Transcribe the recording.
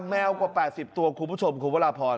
แมวกว่า๘๐ตัวคุณผู้ชมคุณพระราพร